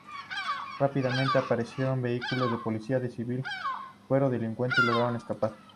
Rápidamente aparecieron vehículos con policías de civil, pero delincuentes lograron escapar.